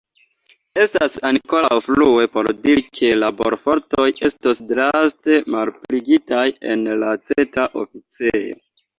Estas ankoraŭ frue por diri, ke laborfortoj estos draste malpliigitaj en la Centra Oficejo.